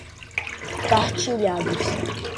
partilhados